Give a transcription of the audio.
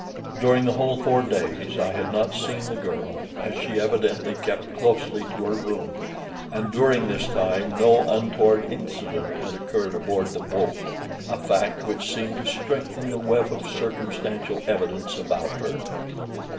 During the whole four days I had not seen the girl, as she evidently kept closely to her room; and during this time no untoward incident had occurred aboard the boat a fact which seemed to strengthen the web of circumstantial evidence about her.